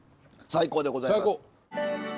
最高でございます。